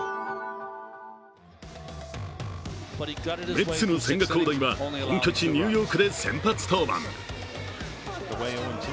メッツの千賀滉大は本拠地ニューヨークで先発登板。